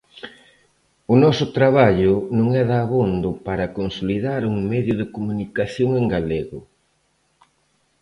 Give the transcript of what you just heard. O noso traballo non é dabondo para consolidar un medio de comunicación en galego.